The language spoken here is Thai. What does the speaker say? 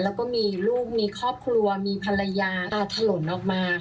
แล้วก็มีลูกมีครอบครัวมีภรรยาตาถล่นออกมา